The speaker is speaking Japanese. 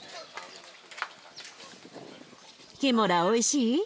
おいしい。